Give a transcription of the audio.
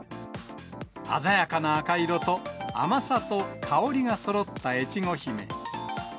鮮やかな赤色と甘さと香りがそろった越後姫。